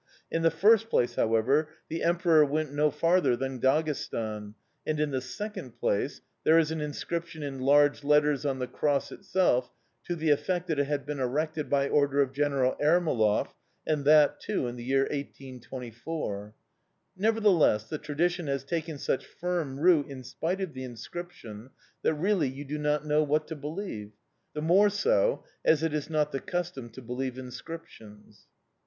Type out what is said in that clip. In the first place, however, the Emperor went no farther than Daghestan; and, in the second place, there is an inscription in large letters on the cross itself, to the effect that it had been erected by order of General Ermolov, and that too in the year 1824. Nevertheless, the tradition has taken such firm root, in spite of the inscription, that really you do not know what to believe; the more so, as it is not the custom to believe inscriptions.